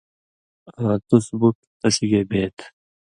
آں تُس بُٹ تسی گے بے تھہ۔